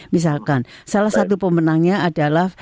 misalkan salah satu pemenangnya adalah